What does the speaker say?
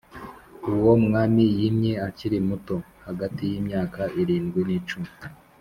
uwo mwami yimye akiri muto (hagati y'imyaka irindwi ni cumi)